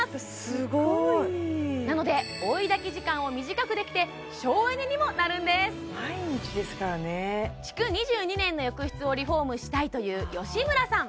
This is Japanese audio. すごいなので追い焚き時間を短くできて省エネにもなるんです毎日ですからね築２２年の浴室をリフォームしたいという吉村さん